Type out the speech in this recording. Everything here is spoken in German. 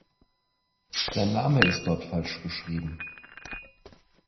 Dein Name ist dort falsch geschrieben.